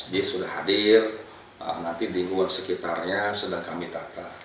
jis sudah hadir nanti lingkungan sekitarnya sedang kami tata